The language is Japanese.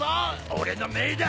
俺の姪だ！